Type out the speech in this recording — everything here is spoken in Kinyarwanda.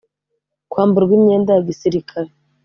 kwamburwa imyenda ya gisirikare